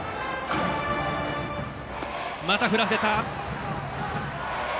また振らせた。